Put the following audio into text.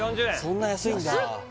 そんな安いんだ安っ